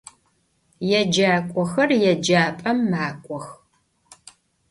Yêcak'oxer yêcap'em mak'ox.